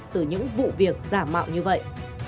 từ những vụ việc giả mạo như vậy